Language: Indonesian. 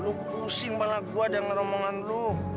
lu pusing malah gue denger omongan lu